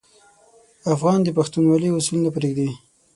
افغان د پښتونولي اصول نه پرېږدي.